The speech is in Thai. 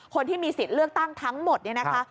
คนที่มีสิทธิ์เลือกตั้งทั้งหมดเนี่ยนะคะ